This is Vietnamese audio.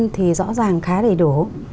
thì rõ ràng khá đầy đủ